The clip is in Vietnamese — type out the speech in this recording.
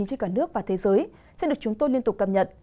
trên cả nước và thế giới sẽ được chúng tôi liên tục cập nhật